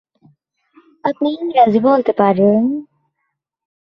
আপনি ইংরাজি বলতে পারেন?